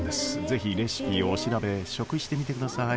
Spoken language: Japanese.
是非レシピをお調べ試食してみてください。